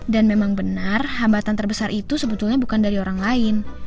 dan memang benar hambatan terbesar itu sebetulnya bukan dari orang lain